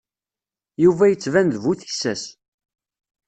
Yuba yettban d bu tissas.